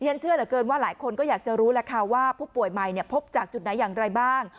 เชื่อเหลือเกินว่าหลายคนก็อยากจะรู้แล้วค่ะว่าผู้ป่วยใหม่พบจากจุดไหนอย่างไรบ้าง